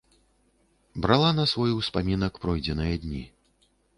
Брала на свой успамінак пройдзеныя дні.